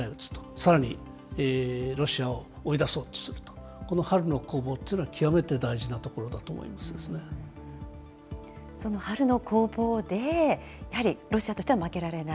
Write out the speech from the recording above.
さらにロシアを追い出そうとすると、この春の攻防というのは、極めて大事なところだと思いますでその春の攻防で、やはりロシアとしては負けられない。